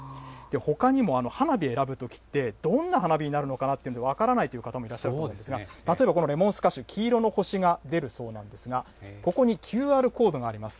ほかにも花火選ぶときって、どんな花火になるのかなっていうので、分からないという方もいらっしゃると思うんですが、例えばこのレモンスカッシュ、黄色の星が出るそうなんですが、ここにＱＲコードがあります。